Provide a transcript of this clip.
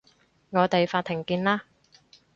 我哋法庭見啦